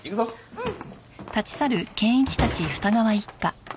うん！